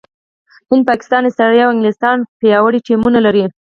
هند، پاکستان، استراليا او انګلستان پياوړي ټيمونه لري.